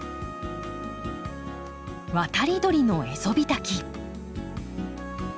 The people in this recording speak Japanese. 渡り鳥のエゾビタキ。